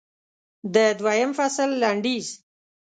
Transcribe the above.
د دویم فصل لنډیز